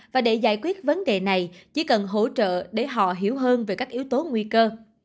và để giải quyết vấn đề này chỉ cần hỗ trợ để họ hiểu hơn về các yếu tố nguy cơ